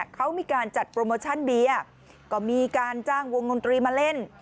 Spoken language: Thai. เขามีการจัดโปรโมชั่นเบียร์ก็มีการจ้างวงดนตรีมาเล่น